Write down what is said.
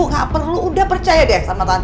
gak perlu udah percaya